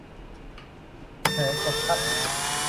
แผลกดทับ